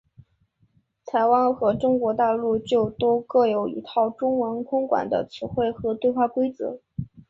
台湾和中国大陆就都各有一套中文空管的词汇和对话规则。